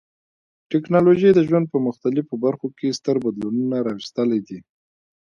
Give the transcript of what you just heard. ټکنالوژي د ژوند په مختلفو برخو کې ستر بدلونونه راوستلي دي.